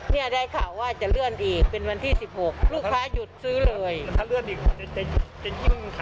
นี่ได้ข่าวว่าจะเลื่อนอีกลูกค้าหยุดซื้อเลย